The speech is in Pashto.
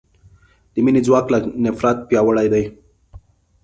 د مینې ځواک له نفرت پیاوړی دی.